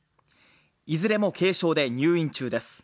いずれも軽症で入院中です。